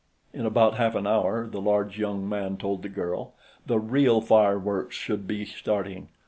"In about half an hour," the large young man told the girl, "the real fireworks should be starting.